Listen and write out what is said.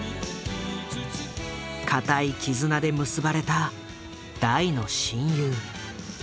固い絆で結ばれた大の親友。